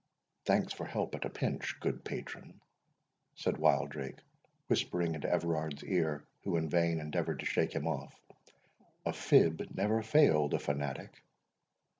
"Thanks for help at a pinch, good patron," said Wildrake, whispering into Everard's ear, who in vain endeavoured to shake him off,—"a fib never failed a fanatic."